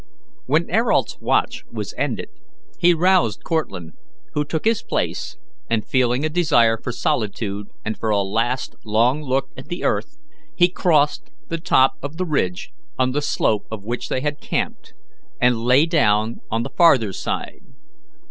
When Ayrault's watch was ended, he roused Cortlandt, who took his place, and feeling a desire for solitude and for a last long look at the earth, he crossed the top of the ridge on the slope of which they had camped, and lay down on the farther side.